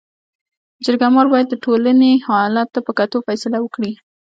جرګه مار باید د ټولني حالت ته په کتو فيصله وکړي.